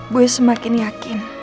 gue semakin yakin